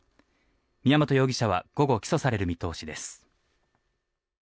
宮本容疑者は午後、起訴される見通しです。